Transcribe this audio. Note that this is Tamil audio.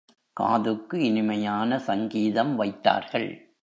காதுக்கு இனிமையான சங்கீதம் வைத்தார்கள்.